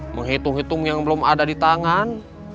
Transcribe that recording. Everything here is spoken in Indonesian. menghitung hitung yang belum ada di tangan